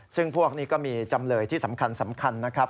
ซึ่งพวกนี้ก็มีจำเลยที่สำคัญนะครับ